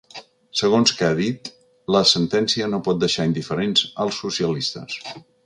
Segons que ha dit, la sentència ‘no pot deixar indiferents als socialistes’.